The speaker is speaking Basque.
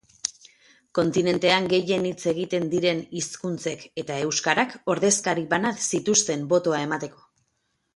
Kontinentean gehien hitz egiten diren hizkuntzek eta euskarak ordezkari bana zituzten botoa emateko.